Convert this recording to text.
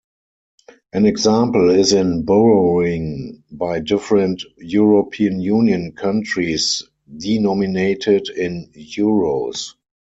An example is in borrowing by different European Union countries denominated in euros.